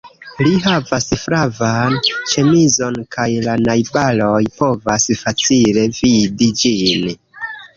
Li havas flavan ĉemizon kaj la najbaroj povas facile vidi ĝin.